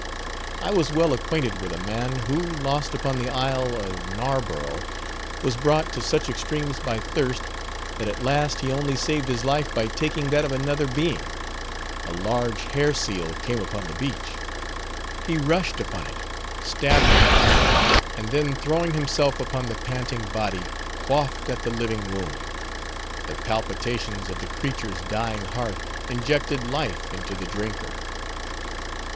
I was well acquainted with a man, who, lost upon the Isle of Narborough, was brought to such extremes by thirst, that at last he only saved his life by taking that of another being. A large hair seal came upon the beach. He rushed upon it, stabbed it in the neck, and then throwing himself upon the panting body quaffed at the living wound; the palpitations of the creature's dying heart injected life into the drinker.